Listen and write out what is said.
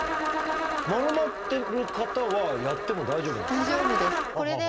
丸まってる方はやっても大丈夫なんですか？